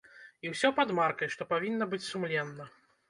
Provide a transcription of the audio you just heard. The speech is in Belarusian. І ўсё пад маркай, што павінна быць сумленна.